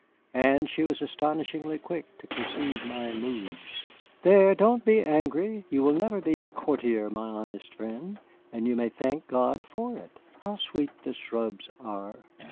And she was astonishingly quick to perceive my moods. "There, don't be angry. You will never be a courtier, my honest friend, and you may thank God for it. How sweet the shrubs are!